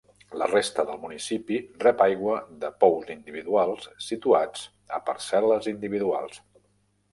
La resta del municipi rep aigua de pous individuals situats a parcel·les individuals.